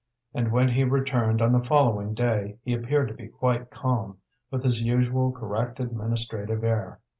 And when he returned on the following day he appeared to be quite calm, with his usual correct administrative air.